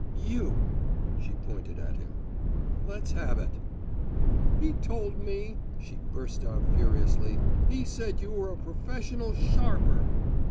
"You!" She pointed at him. "Let's have it." "He told me" she burst out furiously "he said you were a professional sharper!"